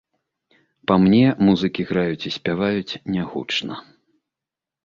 Па мне, музыкі граюць і спяваюць не гучна.